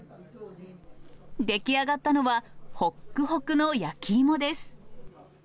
出来上がったのは、ほっくほくの焼き芋です。